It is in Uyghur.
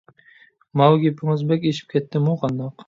ماۋۇ گېپىڭىز بەك ئېشىپ كەتتىمۇ قانداق؟